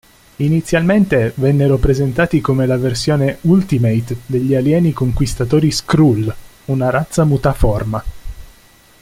Inizialmente vennero presentati come la versione Ultimate degli alieni conquistatori Skrull, una razza mutaforma.